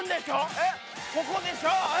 えっここでしょ？